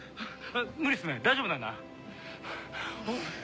無理すんな大丈夫なんだな？